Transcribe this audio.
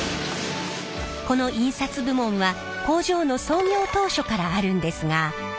この印刷部門は工場の創業当初からあるんですが。